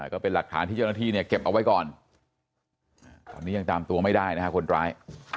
ก็เป็นหลักฐานที่เจ้าหน้าที่เนี่ยเก็บเอาไว้ก่อนตอนนี้ยังตามตัวไม่ได้นะฮะคนร้าย